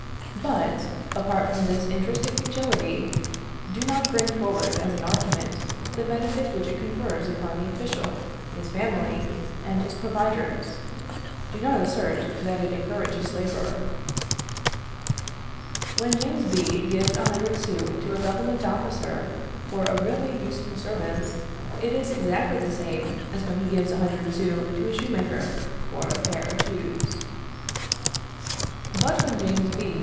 But, apart from this intrinsic utility, do not bring forward as an argument the benefit which it confers upon the official, his family, and his providers; do not assert that it encourages labour. When James B. gives a hundred sous to a Government officer for a really useful service, it is exactly the same as when he gives a hundred sous to a shoemaker for a pair of shoes. But when James B.